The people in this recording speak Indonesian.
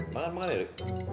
makan makan ya beri